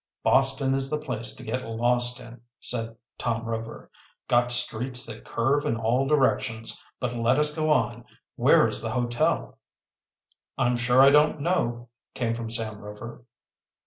"Boston is the place to get lost in," said Tom Rover. "Got streets that curve in all directions. But let us go on. Where is the hotel?" "I'm sure I don't know," came from Sam Rover.